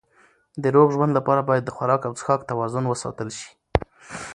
د روغ ژوند لپاره باید د خوراک او څښاک توازن وساتل شي.